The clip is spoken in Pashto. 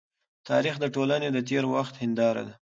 تاریخ د ټولني د تېر وخت هنداره ده.